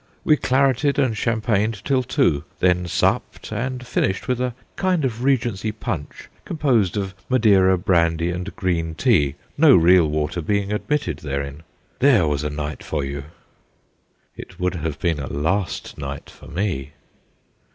We clareted and cham pagned till two then supped, and finished with a kind of regency punch composed of madeira, brandy, and green tea, no real water being admitted therein. There was a night for you !' It would have been a last night for me